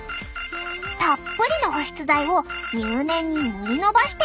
たっぷりの保湿剤を入念に塗り伸ばしていきます！